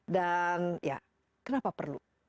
dan kenapa perlu